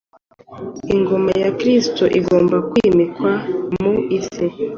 Ingoma ya Kritso igomba kwimikwa mu isi.